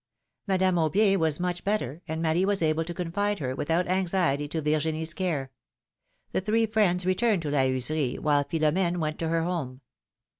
^' Madame Aubier was much better, and Marie was able to confide her, without anxiety, to Virginie's care. The three friends returned to La Heuserie, while Philomene went to her home.